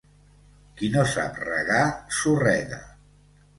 Qui no sap regar, sorrega.